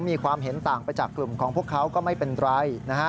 มีความเห็นต่างไปจากกลุ่มของพวกเขาก็ไม่เป็นไร